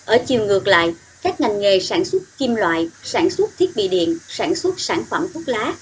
ở chiều ngược lại các ngành nghề sản xuất kim loại sản xuất thiết bị điện sản xuất sản phẩm thuốc lá